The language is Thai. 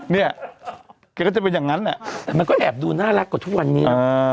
เนี่ยแกก็จะเป็นอย่างนั้นแหละแต่มันก็แอบดูน่ารักกว่าทุกวันนี้